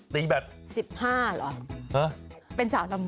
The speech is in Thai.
สิบห้าหรอ